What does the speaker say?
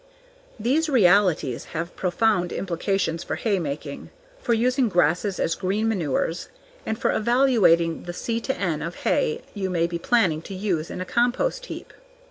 These realities have profound implications for hay making, for using grasses as green manures, and for evaluating the C/N of hay you may be planning to use in a compost heap.